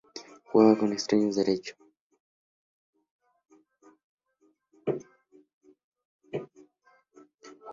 Jugaba como extremo derecho.